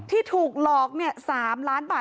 ที่ถูกหลอก๓ล้านบาท